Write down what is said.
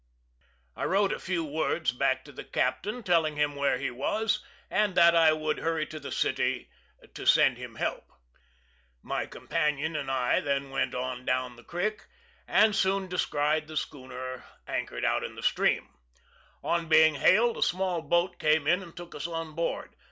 I wrote a few words back to the captain, telling him where he was, and that I would hurry to the city to send him help. My companion and I their went on down the creek, and soon descried the schooner anchored out in the stream. On being hailed, a small boat came in and took us on board.